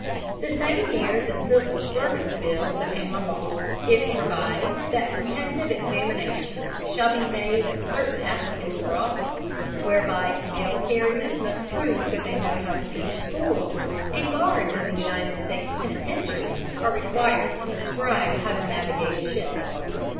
The same year the Civil Service Bill became a law. It provides that competitive examinations shall be made of certain applicants for office, whereby mail carriers must prove that they know how to teach school, and guards in United States penitentiaries are required to describe how to navigate a ship.